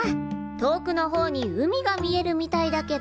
遠くの方に海が見えるみたいだけど。